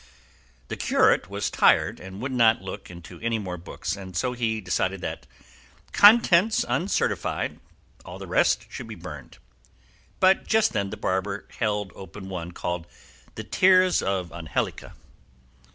The curate was tired and would not look into any more books, and so he decided that, "contents uncertified," all the rest should be burned; but just then the barber held open one, called "The Tears of Angelica."